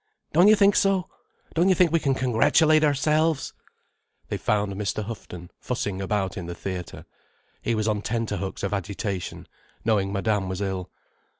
Don't you think so? Don't you think we can congratulate ourselves." They found Mr. Houghton fussing about in the theatre. He was on tenterhooks of agitation, knowing Madame was ill.